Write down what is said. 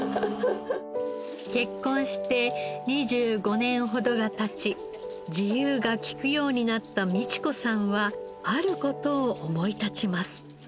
結婚して２５年ほどが経ち自由がきくようになった美智子さんはある事を思い立ちます。